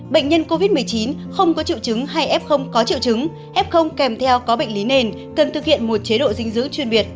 bệnh nhân covid một mươi chín không có triệu chứng hay f có triệu chứng f kèm theo có bệnh lý nền cần thực hiện một chế độ dinh dưỡng chuyên biệt